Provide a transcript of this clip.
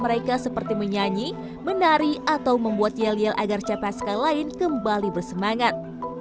mereka diperbolehkan menunjukkan kemampuan mereka seperti menyanyi menari atau membuat yel yel agar capai sekali lain kembali bersemangat